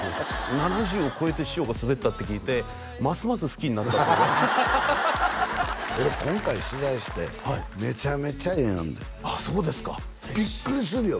７０を超えて師匠がスベったって聞いてますます好きになったっていうか俺今回取材してめちゃめちゃ縁あんであっそうですか嬉しいビックリするよ